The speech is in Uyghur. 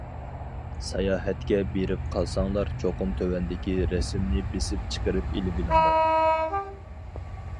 ساياھەتكە بېرىپ قالساڭلار چوقۇم تۆۋەندىكى رەسىمنى بېسىپ چىقىرىپ ئېلىۋېلىڭلار!